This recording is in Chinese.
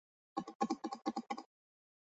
蚬贝的补获量是北海道第一。